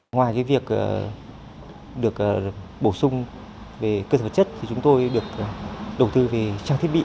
ngoài việc bổ sung về cơ sở chất chúng tôi được đầu tư về trang thiết bị